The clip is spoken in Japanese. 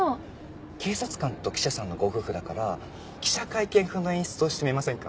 警察官と記者さんのご夫婦だから記者会見風の演出をしてみませんか？